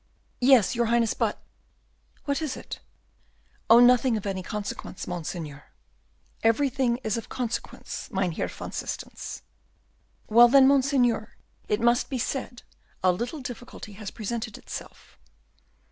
"Yes, your Highness, but " "What is it?" "Oh, nothing of any consequence, Monseigneur." "Everything is of consequence, Mynheer van Systens." "Well, then, Monseigneur, if it must be said, a little difficulty has presented itself."